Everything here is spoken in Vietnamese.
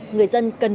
người dân cần vệ sinh